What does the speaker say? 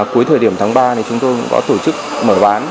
cuối thời điểm tháng ba chúng tôi đã tổ chức mở bán